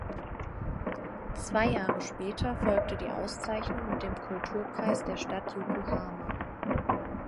Zwei Jahre später folgte die Auszeichnung mit dem Kulturpreis der Stadt Yokohama.